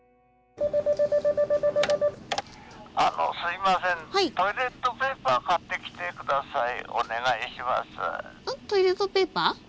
トイレットペーパー？